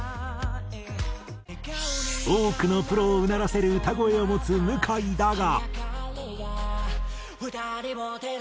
多くのプロをうならせる歌声を持つ向井だが。